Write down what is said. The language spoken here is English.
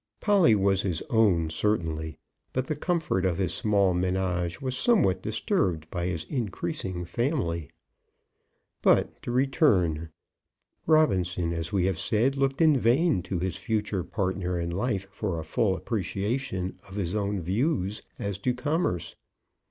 Polly was his own certainly; but the comfort of his small menage was somewhat disturbed by his increasing family. But to return. Robinson, as we have said, looked in vain to his future partner in life for a full appreciation of his own views as to commerce.